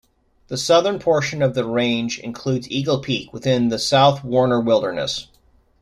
The southern portion of the range includes Eagle Peak, within the South Warner Wilderness.